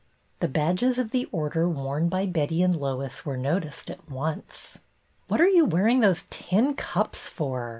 The badges of the Order worn by Betty and Lois were noticed at once. " What are you wearing those tin cups for.?"